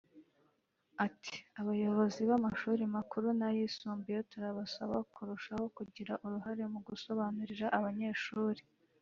Ati”Abayobozi b’amashuri makuru n’ayisumbuye turabasaba kurushaho kugira uruhare mu gusobanurira abanyeshuri